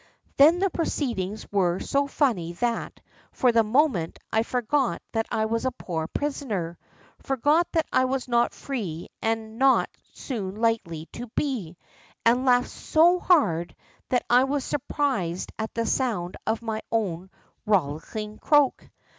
Then the proceedings were so funny that, for the moment, I forgot that I was a poor prisoner, forgot that I was not free and not soon likely to be, and laughed so hard that I was surprised at the sound of my own rollicking croak.